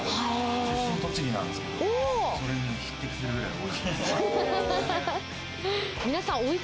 出身栃木なんですけれども、それに匹敵するくらいおいしい。